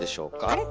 あれ？